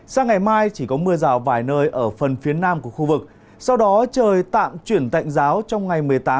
sang ngày mai chỉ có mưa rào vài nơi ở phần phía nam của khu vực sau đó trời tạm chuyển tạnh giáo trong ngày một mươi tám